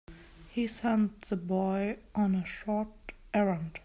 He sent the boy on a short errand.